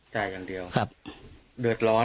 จ่ายอย่างเดียว